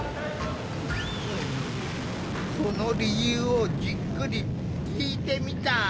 その理由をじっくり聞いてみた。